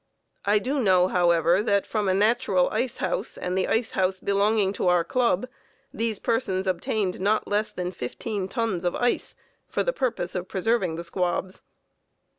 I do know, however, that from a natural ice house and the ice house belonging to our club, these persons obtained not less than fifteen tons of ice for the purpose of preserving the squabs.